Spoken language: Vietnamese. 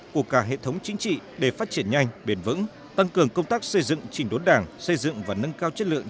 của cả hệ thống chính trị để phát triển nhanh bền vững tăng cường công tác xây dựng chỉnh đốn đảng xây dựng và nâng cao chất lượng